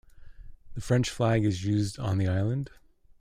The French flag is used on the island.